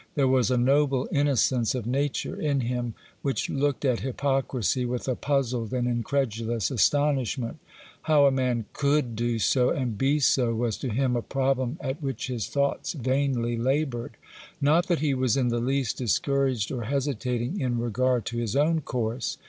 There was a noble innocence of nature in him which looked at hypocrisy with a puzzled and incredulous astonishment. How a man could do so and be so was to him a problem at which his thoughts vainly laboured. Not that he was in the least discouraged or hesitating in regard to his own course.